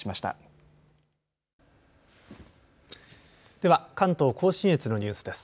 では関東甲信越のニュースです。